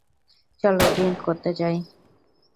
চলো ড্রিংক করতে যাই?